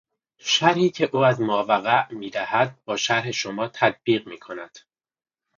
شرحی که او از ماوقع میدهد با شرح شما تطبیق میکند.